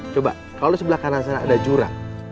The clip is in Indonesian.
coba kalau di sebelah kanan sana ada jurang